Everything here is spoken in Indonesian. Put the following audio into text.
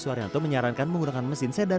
suharyanto menyarankan menggunakan mesin sedan